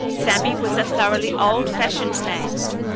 Sammy was a thoroughly old fashioned man.